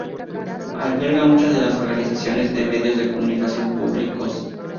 Alberga muchas de las organizaciones de medios de comunicación públicos.